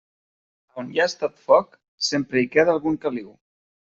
A on hi ha estat foc, sempre hi queda algun caliu.